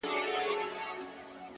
هغه اوس كډ ه وړي كا بل ته ځي”